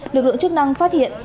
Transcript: lực lượng chức năng phát hiện